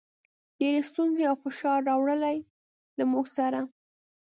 ډېرې ستونزې او فشار راولي، له موږ سره.